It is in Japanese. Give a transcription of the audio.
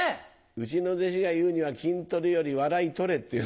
うちの弟子が言うには筋トレより笑い取れって言う。